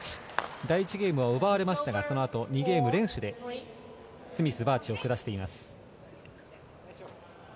第１ゲームを奪われましたがその後２ゲーム連取でスミス、バーチを下しています。